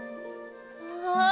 うわ！